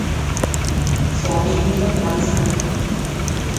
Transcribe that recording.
Vorwiegend wird Mais angebaut.